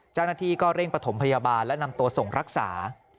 เจ้าหน้าที่ก็เร่งประถมพยาบาลและนำตัวส่งรักษา